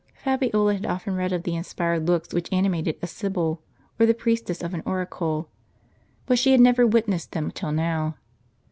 Fabiola had often read of the inspired looks which ani mated a sibyl, or the priestess of an oracle ; but she had never witnessed them till now.